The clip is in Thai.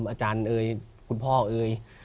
อาจารย์เอ่ยคุณพ่อเอ่ย